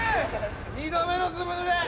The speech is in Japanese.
二度目のずぶぬれ。